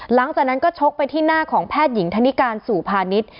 หลังจากนั้นก็ชกไปที่หน้าของแพทย์หญิงธนิการสู่พาณิชย์